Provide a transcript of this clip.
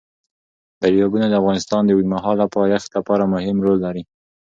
دریابونه د افغانستان د اوږدمهاله پایښت لپاره مهم رول لري.